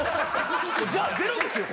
じゃあゼロですよ！